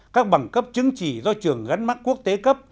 các bằng cấp chứng chỉ do trường gắn mắt quốc tế cấp